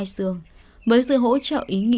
sức mật ở đây